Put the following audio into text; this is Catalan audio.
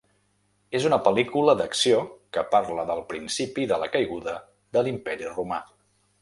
És una pel·lícula d'acció que parla del principi de la caiguda de l'Imperi Romà.